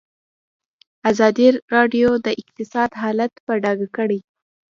ازادي راډیو د اقتصاد حالت په ډاګه کړی.